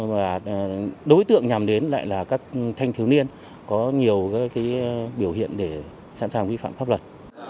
và đối tượng nhằm đến lại là các thanh thiếu niên có nhiều biểu hiện để sẵn sàng vi phạm pháp luật